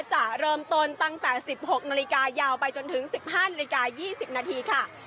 จะเริ่มต้นตั้งแต่๑๖นาฬิกายาวไปจนถึง๑๕นาฬิกา๒๐นาทีค่ะ